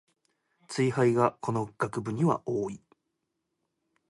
ツイ廃がこの学部には多い